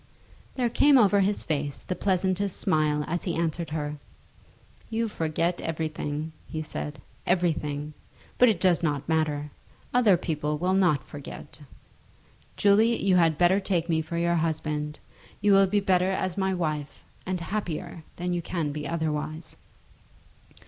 There came over his face the pleasantest smile as he answered her. "You forget everything," he said; "everything. But it does not matter. Other people will not forget. Julie, you had better take me for your husband. You will be better as my wife, and happier, than you can be otherwise."